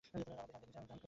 আমার সাংকেতিক নাম চাণক্য।